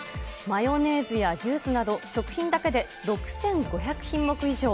マヨネーズやジュースなど、食品だけで６５００品目以上。